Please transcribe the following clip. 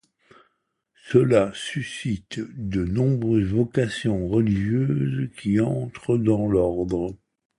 Cela suscite de nombreuses vocations religieuses qui entrent dans l'Ordre.